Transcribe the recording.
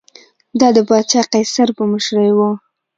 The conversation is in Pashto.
دا د پاچا قیصر په مشرۍ و